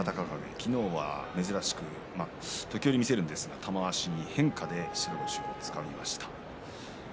昨日は珍しくちょっと時折見せますが玉鷲に変化で白星をつかみました。